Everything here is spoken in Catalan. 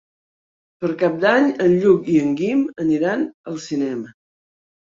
Per Cap d'Any en Lluc i en Guim aniran al cinema.